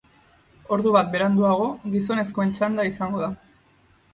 Ordu bat beranduago, gizonezkoen txanda izango da.